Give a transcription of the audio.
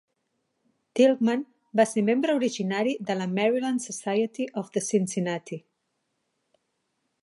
Tilghman va ser membre originari de la Maryland Society of the Cincinnati.